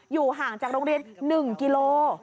อยู่ห่างจากโรงเรียน๑กิโล